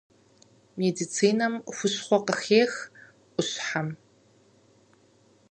Медицинэм хущхъуэ къыхех ӏущхьэм.